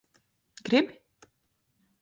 Gribi?